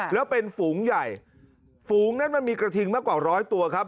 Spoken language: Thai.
แล้วเป็นฝูงใหญ่ฝูงนั้นมันมีกระทิงมากกว่าร้อยตัวครับ